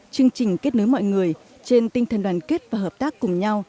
chương trình kết nối mọi người trên tinh thần đoàn kết và hợp tác cùng nhau